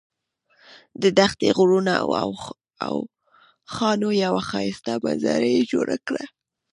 د دښتې، غرونو او اوښانو یوه ښایسته منظره یې جوړه کړه.